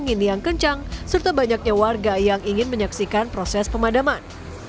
angin yang kencang serta banyaknya warga yang ingin menyaksikan proses pemadaman